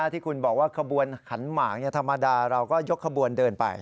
ที่คุณบอกว่าขบวนขันหมากธรรมดาเราก็ยกขบวนเดินไป